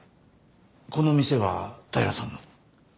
この店は平良さんの。